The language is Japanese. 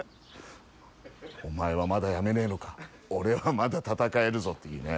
「お前はまだやめねえのか俺はまだ戦えるぞ」っていうね。